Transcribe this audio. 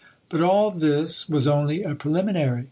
VI But all this was only a preliminary.